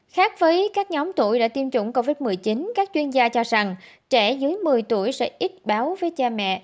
khác với các nhóm tuổi đã tiêm chủng covid một mươi chín các chuyên gia cho rằng trẻ dưới một mươi tuổi sẽ ít báo với cha mẹ